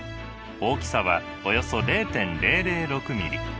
大きさはおよそ０．００６ミリ。